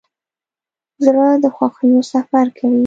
زړه د خوښیو سفر کوي.